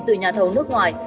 từ nhà thầu nước ngoài